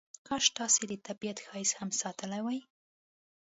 کاش تاسې د طبیعت ښایست هم ساتلی وای.